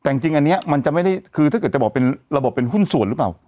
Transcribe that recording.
แต่จริงของอันนี้มันจะไม่ได้ถ้าเกิดแบบระบบเป็นหุ้นส่วนหรือเปล่า